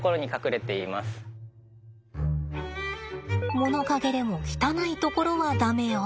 物陰でも汚いところは駄目よ。